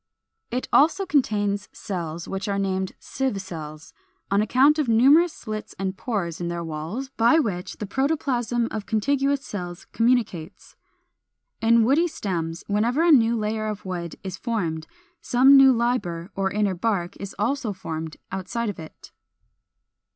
It also contains cells which are named sieve cells, on account of numerous slits and pores in their walls, by which the protoplasm of contiguous cells communicates. In woody stems, whenever a new layer of wood is formed, some new liber or inner bark is also formed outside of it.